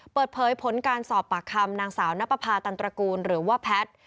เปิดเผยผลการสอบปากคำนางสาวนับประพาตันตระกูลหรือว่าแพทย์